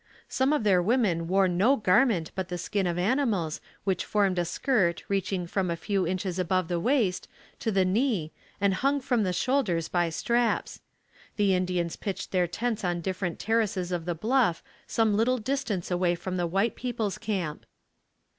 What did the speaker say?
Some of their women wore no garment but the skin of animals which formed a skirt reaching from a few inches above the waist to the knee and hung from the shoulders by straps. The Indians pitched their tents on different terraces of the bluff some little distance away from the white people's camp.